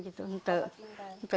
saya diperlukan untuk itu